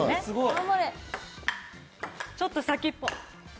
ちょっと先っぽ。